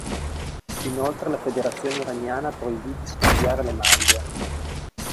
Inoltre la federazione iraniana proibì di scambiare le maglie.